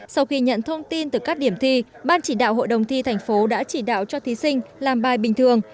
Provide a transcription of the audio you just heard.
sau khi nhận thông tin từ các điểm thi ban chỉ đạo hội đồng thi thành phố đã chỉ đạo cho thí sinh làm bài bình thường